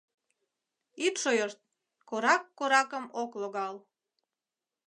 Ит шойышт: корак коракым ок логал.